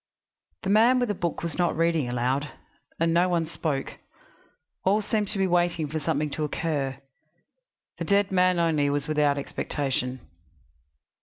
The man with the book was not reading aloud, and no one spoke; all seemed to be waiting for something to occur; the dead man only was without expectation.